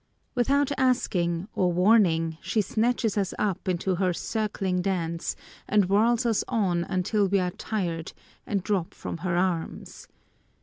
Without asking, or warning, she snatches us up into her circling dance, and whirls us on until we are tired, and drop from her arms.